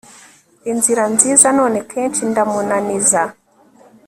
inzira nziza, none kenshi ndamunaniza